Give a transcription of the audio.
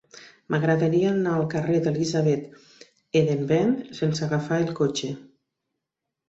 M'agradaria anar al carrer d'Elisabeth Eidenbenz sense agafar el cotxe.